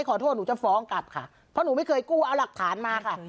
ขอโทษหนูจะฟ้องกลับค่ะเพราะหนูไม่เคยกู้เอาหลักฐานมาค่ะ